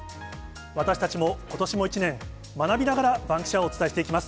私たちも、ことしも１年、学びながらバンキシャ！をお伝えしていきます。